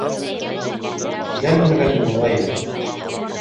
Теләнмәгән мулла юҡ.